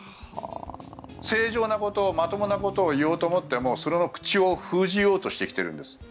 正常なこと、まともなことを言おうと思ってもその口を封じようとしてきているんです。